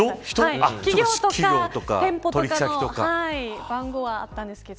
企業とか店舗とかの番号はあったんですけど